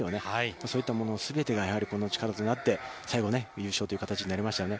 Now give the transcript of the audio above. そういったものを全てがやはり力となって、最後、優勝という形になりましたよね。